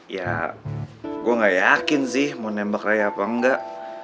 ya gue gak yakin sih mau nembak raya apa enggak